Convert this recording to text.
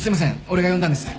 俺が呼んだんです。